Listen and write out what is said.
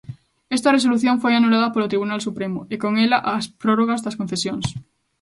Esta resolución foi anulada polo Tribunal Supremo, e con ela as prórrogas das concesións.